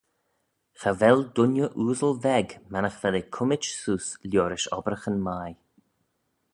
Cha vel dooinney ooasle veg mannagh vel eh cummit seose liorish obbraghyn mie.